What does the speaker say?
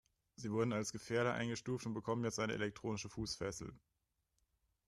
Sie wurden als Gefährder eingestuft und bekommen jetzt eine elektronische Fußfessel.